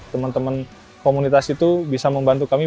temen temen komunitas itu bisa membantu kami